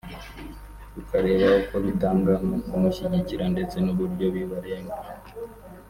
ukareba uko bitanga mu kumushyigikira ndetse n’uburyo bibarenga